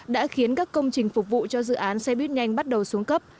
đã khiến các công trình phục vụ cho dự án xe buýt nhanh bắt đầu xuống cấp